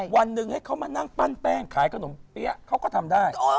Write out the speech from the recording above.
วันหนึ่งให้เขามานั่งปั้นแป้งขายขนมเปี๊ยะเขาก็ทำได้